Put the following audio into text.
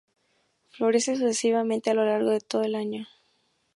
Florece sucesivamente a lo largo de todo el año.